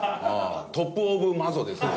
トップオブマゾですよ。